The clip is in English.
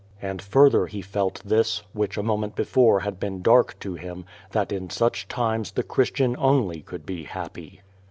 And further he felt this, which a moment before had l)een dark to him, that in such times the Christian only could be happy.